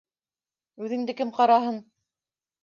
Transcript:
Үҙеңде кем ҡараһын?